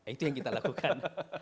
itu yang kita lakukan